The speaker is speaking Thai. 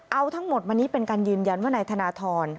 เอาทั้งหมดมานี้เป็นการยืนยันว่านายธนทร